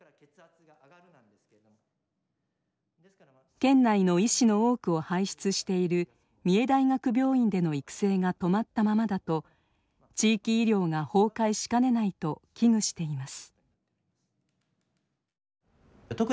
県内の医師の多くを輩出している三重大学病院での育成が止まったままだと地域医療が崩壊しかねないと危惧しています。